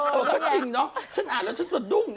เออก็จริงเนาะฉันอ่านแล้วฉันสะดุ้ง